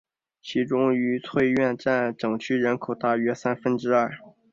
其中愉翠苑占整区人口的大约三分之二。